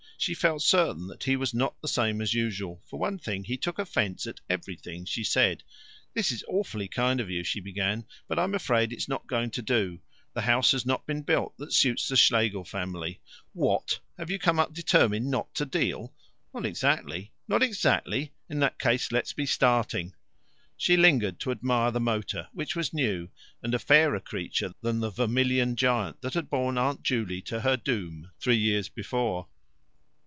She felt certain that he was not the same as usual; for one thing, he took offence at everything she said. "This is awfully kind of you," she began, "but I'm afraid it's not going to do. The house has not been built that suits the Schlegel family." "What! Have you come up determined not to deal?" "Not exactly." "Not exactly? In that case let's be starting." She lingered to admire the motor, which was new and a fairer creature than the vermilion giant that had borne Aunt Juley to her doom three years before.